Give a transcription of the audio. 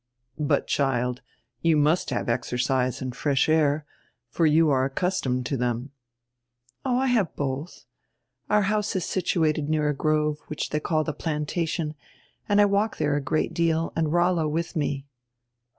"But, child, you must have exercise and fresh air, for you are accustomed to diem." "Oh, I have bodi. Our house is situated near a grove, which diey call die 'Plantation,' and I walk die re a great deal and Rollo widi me."